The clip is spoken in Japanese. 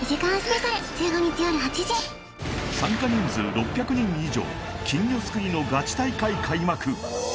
６００人以上金魚すくいのガチ大会開幕